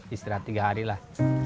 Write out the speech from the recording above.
istirahat tiga hari lah